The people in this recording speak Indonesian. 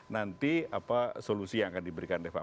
nanti apa solusi yang akan diberikan